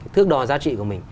thước đo giá trị của mình